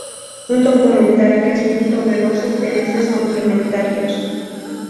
Un documental que es fruto de dos intereses complementarios.